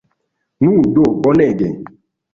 Nu do, bonege!